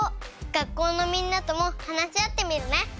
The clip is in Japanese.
学校のみんなとも話し合ってみるね。